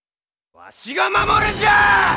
わしが守るんじゃあ！